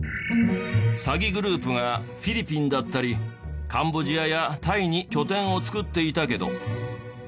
詐欺グループがフィリピンだったりカンボジアやタイに拠点を作っていたけど。